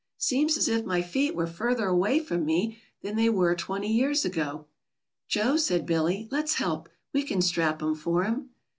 "Seems as if my feet were further away from me than they were twenty years ago." "Joe," said Billy, "let's help. We can strap 'em for him."